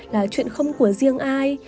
là chuyện không của riêng ai